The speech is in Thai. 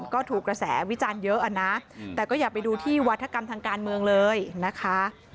ก็ถูกกระแสวิจารณ์เยอะนะแต่ก็อย่าไปดูที่วัฒกรรมทางการเมืองเลยนะคะ